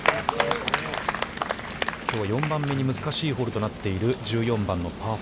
きょうは４番目に難しいホールとなっている、１４番のパー４。